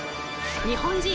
日本人